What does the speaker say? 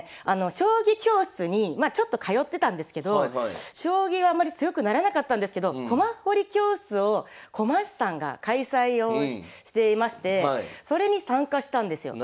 将棋教室にちょっと通ってたんですけど将棋はあんまり強くならなかったんですけど駒彫り教室を駒師さんが開催をしていましてそれに参加したんですよ。